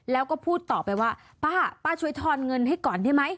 แล้วก็พูดต่อไปว่าป้าป้าช่วยทอนเงินให้ก่อนได้ไหม